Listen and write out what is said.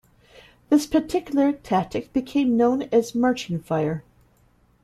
This particular tactic became known as marching fire.